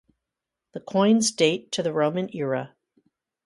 The coins date to the Roman era.